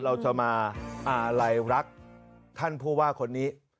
เราจะมาอาลัยรักท่านผู้ว่าคนนี้